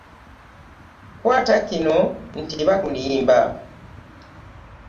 Kwata kino nti bakulimba.